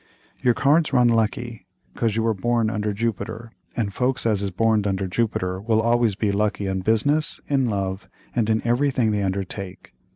"Your cards run lucky, 'cause you were born under Jupiter, and folks as is borned under Jupiter will always be lucky in business, in love, and in everything they undertake.